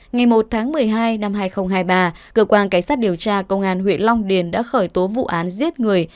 ngày một tháng một mươi hai năm hai nghìn hai mươi ba cơ quan cảnh sát điều tra công an huyện long điền đã khởi tố vụ án giết người